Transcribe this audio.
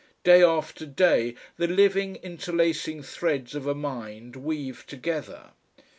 Day after day the living interlacing threads of a mind weave together.